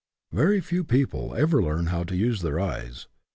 Very few people ever learn how to use their eyes.